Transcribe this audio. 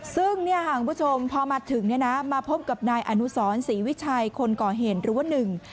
ซึ่งพอมาถึงมาพบกับนายอนุสรศรีวิชัยคนก่อเห็นรัวหนึ่ง